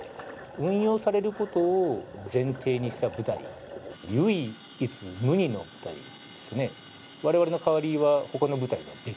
運用されることを前提にした部隊、唯一無二の部隊です。